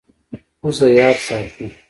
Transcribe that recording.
پزه یاد ساتي.